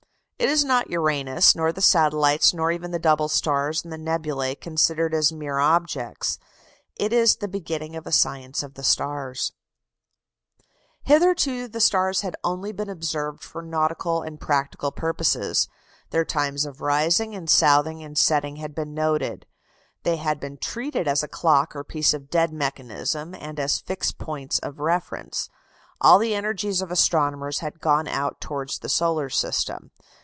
It is not Uranus, nor the satellites, nor even the double stars and the nebulæ considered as mere objects: it is the beginning of a science of the stars. [Illustration: FIG. 85. CAROLINE HERSCHEL. From a Drawing from Life, by GEORGE MÜLLER, 1847.] Hitherto the stars had only been observed for nautical and practical purposes. Their times of rising and southing and setting had been noted; they had been treated as a clock or piece of dead mechanism, and as fixed points of reference. All the energies of astronomers had gone out towards the solar system.